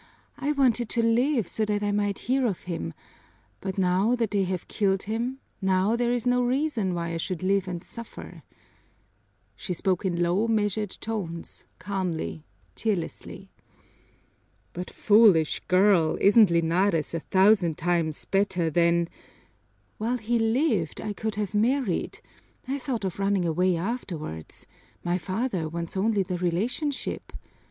I wanted to live so that I might hear of him, but now that they have killed him, now there is no reason why I should live and suffer." She spoke in low, measured tones, calmly, tearlessly. "But, foolish girl, isn't Linares a thousand times better than " "While he lived, I could have married I thought of running away afterwards my father wants only the relationship!